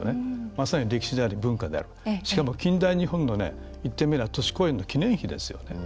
まさに歴史であり文化でありまさに、近代日本の言ってみれば都市公園の記念碑ですよね。